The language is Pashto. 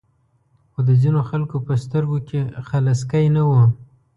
خو د ځینو خلکو په سترګو کې خلسکی نه و.